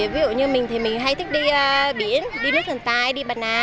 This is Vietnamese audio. ví dụ như mình thì mình hay thích đi biển đi nước thần tài đi bà nà